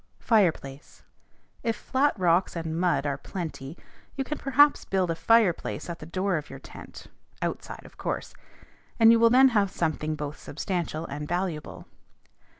FIREPLACE. If flat rocks and mud are plenty, you can perhaps build a fireplace at the door of your tent (outside, of course), and you will then have something both substantial and valuable.